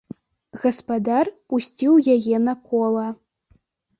Гаспадар пусціў яе на кола.